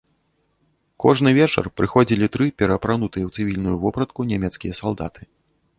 Кожны вечар прыходзілі тры пераапранутыя ў цывільную вопратку нямецкія салдаты.